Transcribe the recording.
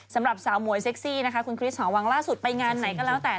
สำหรับสาวหมวยเซ็กซี่นะคะคุณคริสหอวังล่าสุดไปงานไหนก็แล้วแต่